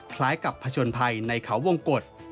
คล้ายกับผจญภัยในเขาวงกฎ